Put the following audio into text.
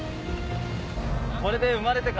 これで。